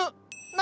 何？